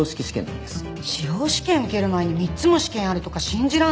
司法試験受ける前に３つも試験あるとか信じらんない。